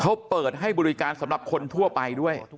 เขาเปิดให้บริการสำหรับคนทั่วไปด้วย